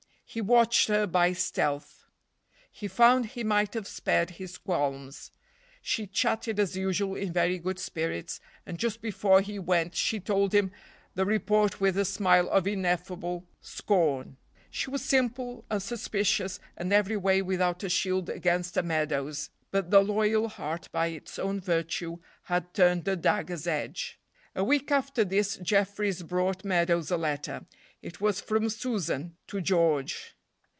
He watched her by stealth. He found he might have spared his qualms. She chatted as usual in very good spirits, and just before he went she told him the report with a smile of ineffable scorn. She was simple, unsuspicious, and every way without a shield against a Meadows, but the loyal heart by its own virtue had turned the dagger's edge. A week after this Jefferies brought Meadows a letter; it was from Susan to George.